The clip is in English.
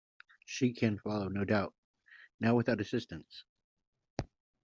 She can follow, no doubt, now without assistance.